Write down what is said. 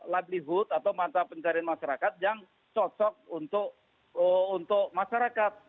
laglywood atau mata pencarian masyarakat yang cocok untuk masyarakat